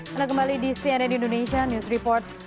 anda kembali di cnn indonesia news report